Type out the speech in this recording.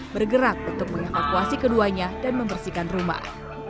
bergerak untuk mengevakuasi keduanya dan membersihkan rumah